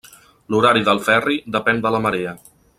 L'horari del ferri depèn de la marea.